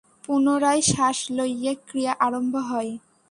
পুনরায় শ্বাস লইলে ক্রিয়া আরম্ভ হয়।